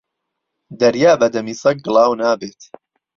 دەریا بە دەمی سەگ گڵاو نابێت